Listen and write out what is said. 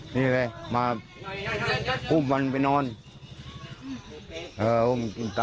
ไม่รู้แต่ว่าเพื่อนอีกคนหนึ่ง